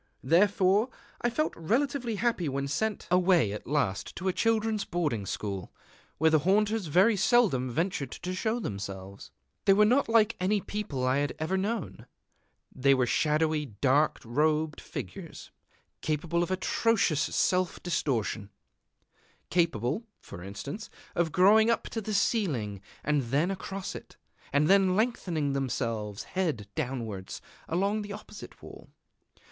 Therefore I felt relatively happy when sent away at last to a children's boarding school, where the haunters very seldom ventured to show themselves. They were not like any people that I had ever known. They were shadowy dark robed figures, capable of atrocious self distortion, capable, for instance, of growing up to the ceiling, and then across it, and then lengthening themselves, head downwards, along the opposite wall.